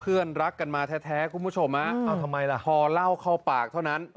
เพื่อนรักกันมาแท้คุณผู้ชมพอเล่าเข้าปากเท่านั้น